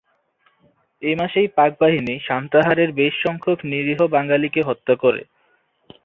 এ মাসেই পাকবাহিনী সান্তাহারের বেশসংখ্যক নিরীহবাঙালিকে হত্যা করে।